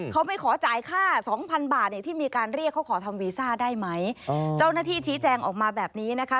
เขาไม่ขอจ่ายค่าสองพันบาทเนี่ยที่มีการเรียกเขาขอทำวีซ่าได้ไหมเจ้าหน้าที่ชี้แจงออกมาแบบนี้นะคะ